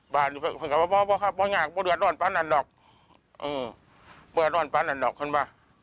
บ้านอยู่ค่ะขอบอกว่าข้าบอกอย่างกับบ้าเดือดร้อนป้านั่นหรอกเออบ้าเดือดร้อนป้านั่นหรอกเห็นป่ะ